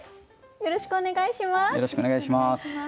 よろしくお願いします。